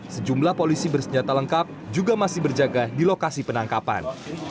sejumlah polisi bersenjata lengkap juga masih berjaga di lokasi penangkapan